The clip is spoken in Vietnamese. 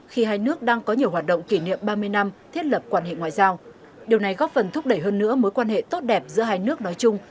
khi hai nước đang có nhiều hoạt động kỷ niệm ba mươi năm thiết lập quan hệ ngoại giao điều này góp phần thúc đẩy hơn nữa mối quan hệ tốt đẹp giữa hai nước nói chung